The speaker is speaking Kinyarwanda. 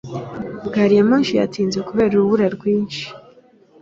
Gari ya moshi yatinze kubera urubura rwinshi.